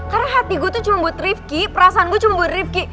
karena hati gue tuh cuma buat rifqi perasaan gue cuma buat rifqi